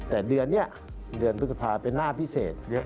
แต่เดือนนี้เดือนพุทธภาพเป็นหน้าพิเศษ